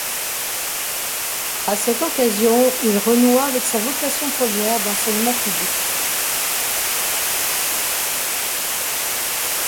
À cette occasion, il renoua avec sa vocation première d’enseignement public.